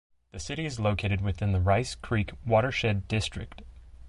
The City is located within the Rice Creek Watershed District.